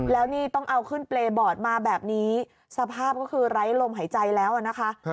แล้วนี่ต้องเอาขึ้นเปรย์บอร์ดมาแบบนี้สภาพก็คือไร้ลมหายใจแล้วนะคะ